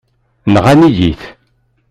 Nɣan-iyi-t.